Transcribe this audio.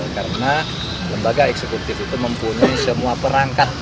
karena lembaga eksekutif itu mempunyai semua perangkat